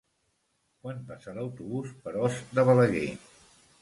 Quan passa l'autobús per Os de Balaguer?